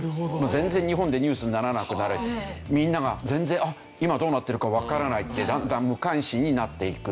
全然日本でニュースにならなくなればみんなが全然今どうなってるかわからないってだんだん無関心になっていく。